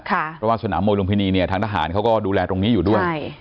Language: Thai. เพราะว่าสนามมวยลุมพินีเนี่ยทางทหารเขาก็ดูแลตรงนี้อยู่ด้วย